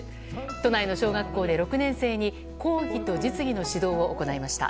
都内の小学校で６年生に講義と実技の指導を行いました。